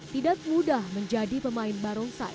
tidak mudah menjadi pemakai barongsai